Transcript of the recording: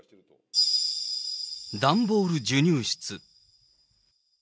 段ボール授乳室。